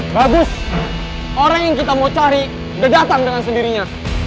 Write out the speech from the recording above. bagus orang yang kita mau cari udah datang dengan sendirinya